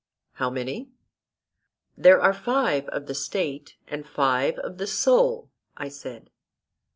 How many? There are five of the State, and five of the soul, I said.